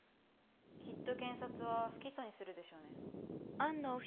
きっと検察は不起訴にするでしょうね。